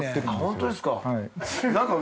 本当ですか。